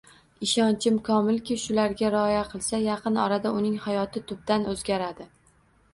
Ishonchim komilki, shularga rioya qilsa, yaqin orada uning hayoti tubdan o‘zgaradi!